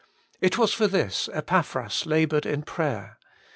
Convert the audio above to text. It was for this Epaphras laboured in prayer.